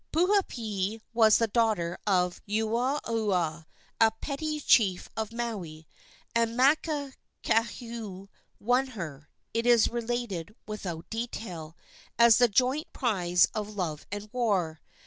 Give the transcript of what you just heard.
Puupehe was the daughter of Uaua, a petty chief of Maui, and Makakehau won her, it is related without detail, as the joint prize of love and war.